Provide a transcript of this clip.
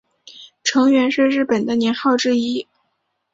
承元是日本的年号之一。